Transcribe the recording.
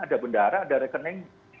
ada bendara ada rekening